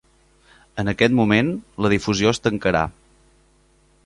En aquest moment, la difusió es tancarà.